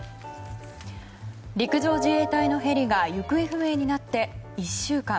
陸上自衛隊のヘリが行方不明になって１週間。